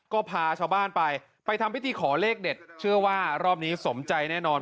ก็พาชาวบ้านไปไปทำพิธีขอเลขเด็ดเชื่อว่ารอบนี้สมใจแน่นอน